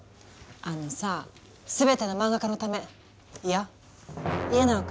あのさ全ての漫画家のためいやイエナガ君。